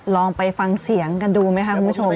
ลองไปฟังเสียงกันดูไหมคะคุณผู้ชม